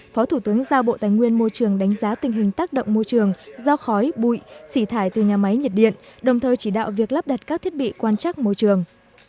phó thủ tướng giao bộ tài nguyên môi trường đánh giá tình hình tác động môi trường do khói bụi sỉ thải từ nhà máy nhiệt điện đồng thời chỉ đạo việc lắp đặt các thiết bị quan trắc môi trường